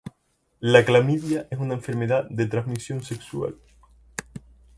• La clamidia es una enfermedad de transmisión sexual